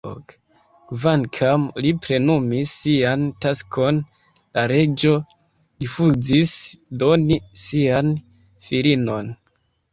Kvankam li plenumis sian taskon, la reĝo rifuzis doni sian filinon.